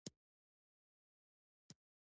خاوره د افغانستان د انرژۍ سکتور یوه ډېره مهمه برخه ده.